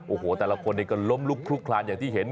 โอ้โหแต่ละคนนี้ก็ล้มลุกคลุกคลานอย่างที่เห็น